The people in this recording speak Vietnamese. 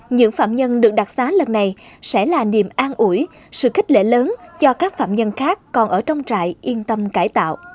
những phạm nhân được đặc xá lần này sẽ là niềm an ủi sự khích lệ lớn cho các phạm nhân khác còn ở trong trại yên tâm cải tạo